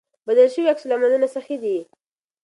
بدل شوي عکس العملونه صحي دي.